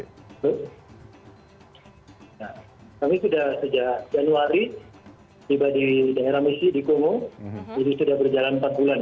nah kami sudah sejak januari tiba di daerah misi di kongo jadi sudah berjalan empat bulan